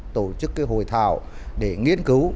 tổ chức hồi thảo để nghiên cứu